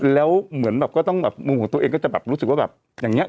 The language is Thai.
แล้วเหมือนแบบก็ต้องแบบมุมของตัวเองก็จะแบบรู้สึกว่าแบบอย่างนี้